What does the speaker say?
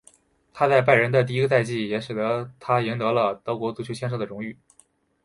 他在拜仁的第一个赛季也使他赢得了德国足球先生的荣誉。